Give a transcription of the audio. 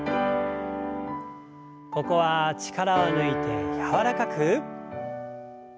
ここは力を抜いて柔らかく。